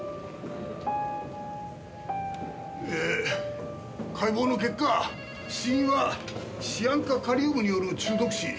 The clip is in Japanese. えー解剖の結果死因はシアン化カリウムによる中毒死。